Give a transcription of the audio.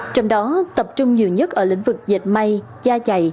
trong đó tập trung nhiều nhất ở lĩnh vực dệt may da chày nhân viên